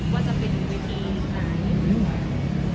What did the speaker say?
ว่าจะเป็นเวทีไหน